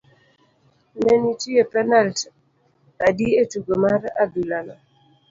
Ne nitie penalt adi e tugo mar adhula no?